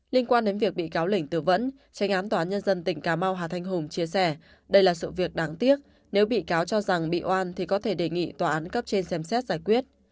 linh quan đến việc bị cáo lỉnh từ vẫn tránh án tòa án nhân dân tỉnh cà mau hà thanh hùng chia sẻ đây là sự việc đáng tiếc nếu bị cáo cho rằng bị oan thì có thể đề nghị tòa án cấp trên xem xét giải quyết